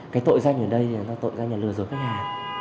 cái tội danh ở đây là tội danh là lừa dối khách hàng